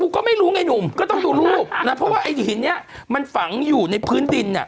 ก็ไม่รู้ไงนุมก็ต้องดูรูปนะไอ้หินนี้มันขังอยู่ในพื้นดินน่ะ